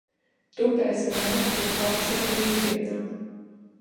Tupēsi mājās līdz pavasara brīvdienām.